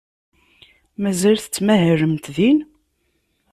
Mazal tettmahalemt din?